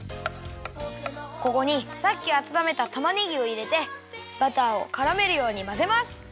ここにさっきあたためたたまねぎをいれてバターをからめるようにまぜます！